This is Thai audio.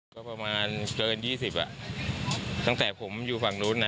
ก็ประมาณเกิน๒๐อ่ะตั้งแต่ผมอยู่ฝั่งนู้นนะ